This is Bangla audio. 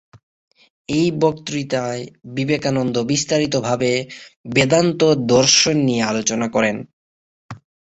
এই বক্তৃতায় বিবেকানন্দ বিস্তারিতভাবে বেদান্ত দর্শন নিয়ে আলোচনা করেন।